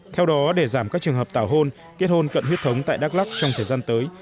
theo đó để giảm các trường hợp tảo hôn kết hôn cận huyết thống tại đắk lắc trong thời gian tới